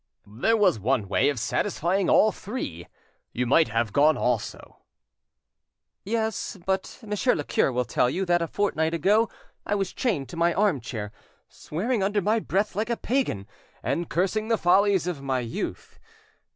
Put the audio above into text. "There was one way of satisfying all three—you might have gone also." "Yes, but Monsieur le cure will tell you that a fortnight ago I was chained to my arm chair, swearing under my breath like a pagan, and cursing the follies of my youth!